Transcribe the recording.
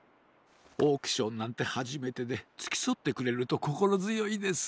オークションなんてはじめてでつきそってくれるとこころづよいです。